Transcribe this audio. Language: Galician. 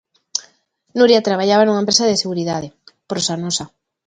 Nuria traballaba nunha empresa de seguridade, Prosanosa.